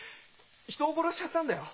人を殺しちゃったんだよ。